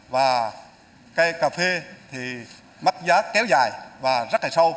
và cây cà phê thì mất giá kéo dài và rất là sâu